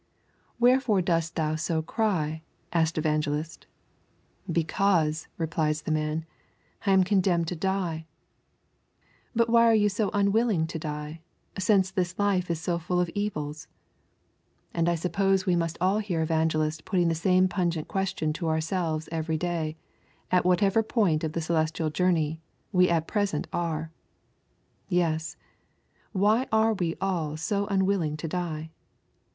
'Wherefore dost thou so cry?' asks Evangelist. 'Because,' replied the man, 'I am condemned to die.' 'But why are you so unwilling to die, since this life is so full of evils?' And I suppose we must all hear Evangelist putting the same pungent question to ourselves every day, at whatever point of the celestial journey we at present are. Yes; why are we all so unwilling to die?